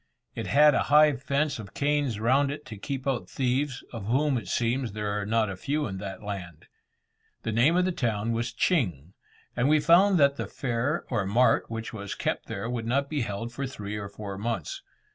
It had a high fence of canes round it to keep out thieves, of whom, it seems, there are not a few in that land. The name of the town was Ching, and we found that the fair or mart which was kept there would not be held for three or four months.